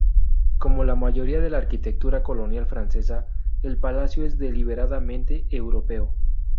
Como la mayoría de la arquitectura colonial francesa, el palacio es deliberadamente Europeo.